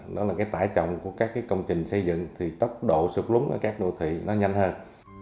đó là cái tải trọng của các công trình xây dựng thì tốc độ sụt lúng ở các đô thị nó nhanh hơn